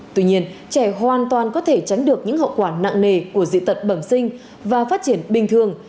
tuy nhiên trẻ hoàn toàn có thể tránh được những hậu quả nặng nề của dị tật bẩm sinh và phát triển bình thường